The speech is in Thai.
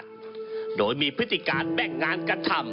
ก็ได้มีการอภิปรายในภาคของท่านประธานที่กรกครับ